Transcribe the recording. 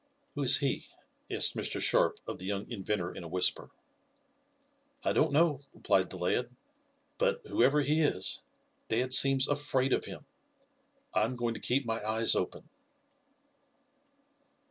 "Who is he?" asked Mr. Sharp of the young inventor in a whisper. "I don't know," replied the lad; "but, whoever he is, dad seems afraid of him. I'm going to keep my eyes open."